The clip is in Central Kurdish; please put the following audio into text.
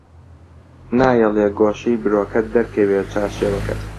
نایەڵێ گۆشەی برۆکەت دەرکەوێ چارشێوەکەت